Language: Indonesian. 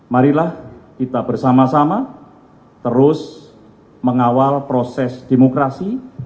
marilah kita bersama sama terus mengawal proses demokrasi